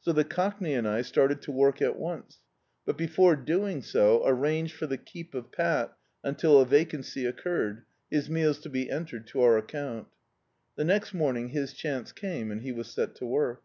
So the Cockney and I started to work at once, but before doing so, arranged for the keep of Pat until a vacancy occurred, his meals to be en tered to our account The next morning his chance came and he was set to work.